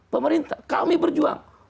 pemerintah kami berjuang